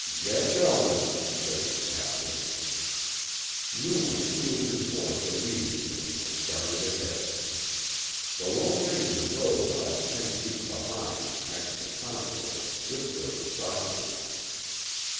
"Get going," said his captor. Yuma heeled his horse obediently and started ahead. The Lone Ranger rode about ten feet behind, next to Tonto, whispering softly.